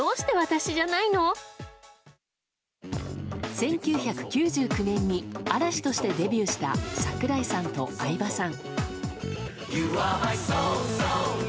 １９９９年に嵐としてデビューした櫻井さんと相葉さん。